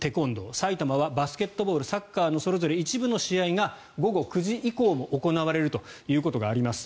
埼玉はバスケットボールサッカーのそれぞれ一部の試合が午後９時以降も行われるということがあります。